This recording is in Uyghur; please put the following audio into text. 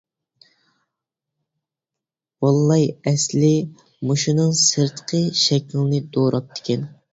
ۋاللەي ئەسلى مۇشۇنىڭ سىرتقى شەكلىنى دوراپتىكەن.